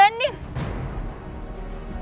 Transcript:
ketika andien tidak ada di situ